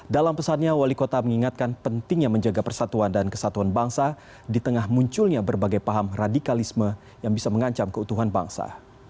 dalam pesannya wali kota mengingatkan pentingnya menjaga persatuan dan kesatuan bangsa di tengah munculnya berbagai paham radikalisme yang bisa mengancam keutuhan bangsa